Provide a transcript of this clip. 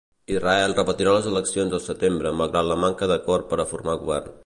Israel repetirà les eleccions al setembre malgrat la manca d'acord per a formar govern.